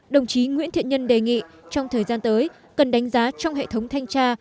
đồng chí nguyễn thiện nhân đề nghị trong thời gian tới cần đánh giá trong hệ thống thanh tra